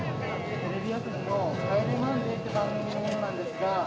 テレビ朝日の『帰れマンデー』って番組の者なんですが。